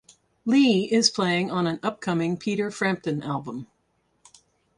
Lee is playing on an upcoming Peter Frampton album.